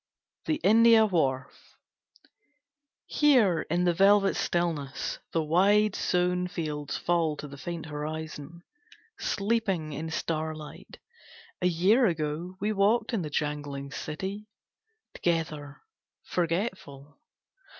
THE INDIA WHARF HERE in the velvet stillness The wide sown fields fall to the faint horizon, Sleeping in starlight. ... A year ago we walked in the jangling city Together .... forgetful.